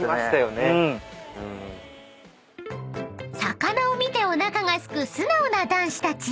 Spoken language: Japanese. ［魚を見ておなかがすく素直な男子たち］